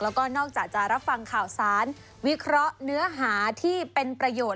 แล้วก็นอกจากจะรับฟังข่าวสารวิเคราะห์เนื้อหาที่เป็นประโยชน์